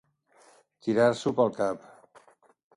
Tirar-s'ho pel cap.